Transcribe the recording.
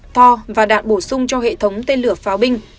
thò và đạn bổ sung cho hệ thống tên lửa pháo binh